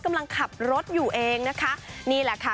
กำลังขับรถอยู่เองนะคะนี่แหละค่ะ